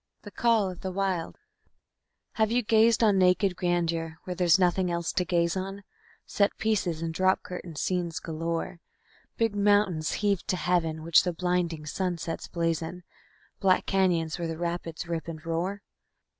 _ The Call of the Wild Have you gazed on naked grandeur where there's nothing else to gaze on, Set pieces and drop curtain scenes galore, Big mountains heaved to heaven, which the blinding sunsets blazon, Black canyons where the rapids rip and roar?